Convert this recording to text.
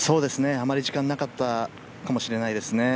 あまり時間なかったかもしれないですね。